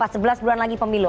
sebelas bulan lagi pemilu